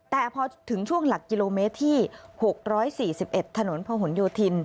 แต่พอถึงช่วงหลักกิโลเมตรที่๖๔๑ถนนพะหนโยธิน